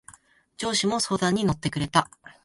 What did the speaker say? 上司も相談に乗ってくれた。